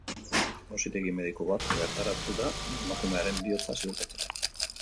Auzitegi-mediku bat bertaratu da, emakumearen heriotza ziurtatzera.